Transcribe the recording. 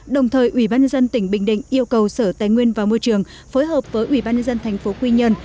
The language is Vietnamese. đồng thời quỹ bác nhân dân tỉnh bình định yêu cầu sở tài nguyên và môi trường phối hợp với quỹ bác nhân dân thành phố quy nhơn